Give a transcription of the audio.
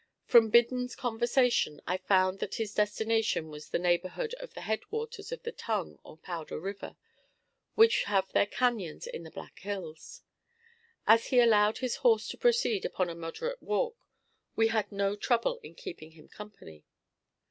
From Biddon's conversation, I found that his destination was the neighborhood of the head waters of the Tongue or Powder River, which have their cañons in the Black Hills. As he allowed his horse to proceed upon a moderate walk, we had no trouble in keeping him company.